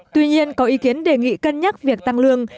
tuy nhiên có ý kiến đề nghị cân nhắc việc tăng lương